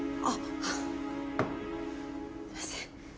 あっ。